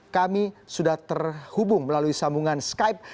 kami sudah terhubung melalui sambungan skype